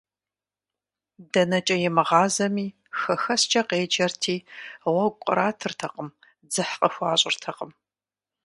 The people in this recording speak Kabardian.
ДэнэкӀэ имыгъазэми, «хэхэскӀэ» къеджэрти, гъуэгу къратыртэкъым, дзыхь къыхуащӀыртэкъым.